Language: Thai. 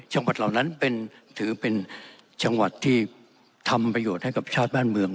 เหล่านั้นถือเป็นจังหวัดที่ทำประโยชน์ให้กับชาติบ้านเมือง